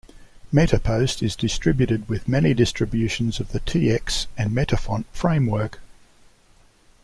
MetaPost is distributed with many distributions of the TeX and Metafont framework.